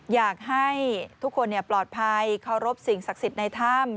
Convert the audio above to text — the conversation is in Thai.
อยากให้ทุกคนปลอดภัยเคารพสิ่งศักดิ์สิทธิ์ในถ้ำ